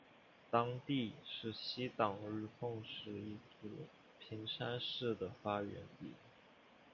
当地是西党日奉氏一族平山氏的发源地。